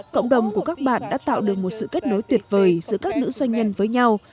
cộng đồng của các bạn đã tạo được một sự kết nối tuyệt vời giữa các nữ doanh nhân với nhau